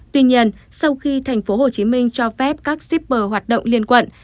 tuy nhiên sau khi tp hcm cho phép các shipper hoạt động liên quận